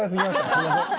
すいません。